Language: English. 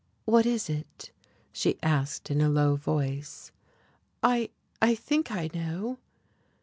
"What is it?" she asked, in a low voice. "I I think I know."